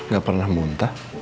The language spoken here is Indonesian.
gak pernah muntah